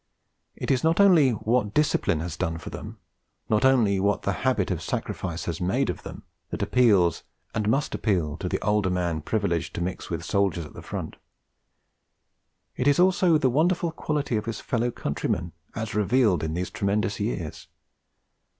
It is not only what discipline has done for them, not only what the habit of sacrifice has made of them, that appeals and must appeal to the older man privileged to mix with soldiers at the front. It is also the wonderful quality of his fellow countrymen as revealed in these tremendous years.